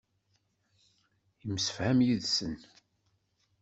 Yemsefham yid-sen.